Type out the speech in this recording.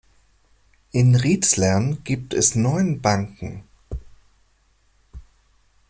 In Riezlern gibt es neun Banken.